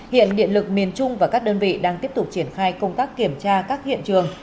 hiện điện lực miền trung và các đơn vị đang tiếp tục triển khai công tác kiểm tra các hiện trường